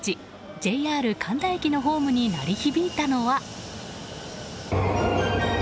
ＪＲ神田駅のホームに鳴り響いたのは。